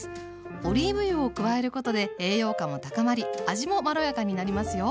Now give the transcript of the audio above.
オリーブ油を加えることで栄養価も高まり味もまろやかになりますよ。